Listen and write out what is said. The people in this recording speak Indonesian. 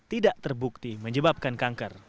tidak terbukti menyebabkan kangker